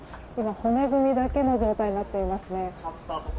骨組みだけの状態になっていますね。